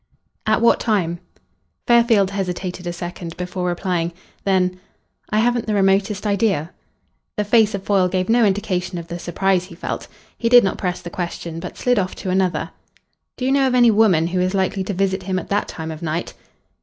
"At what time?" Fairfield hesitated a second before replying. Then, "I haven't the remotest idea." The face of Foyle gave no indication of the surprise he felt. He did not press the question, but slid off to another. "Do you know of any woman who was likely to visit him at that time of night?"